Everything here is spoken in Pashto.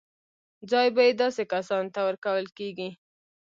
ځای به یې داسې کسانو ته ورکول کېږي.